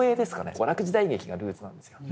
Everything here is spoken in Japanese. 娯楽時代劇がルーツなんですよ。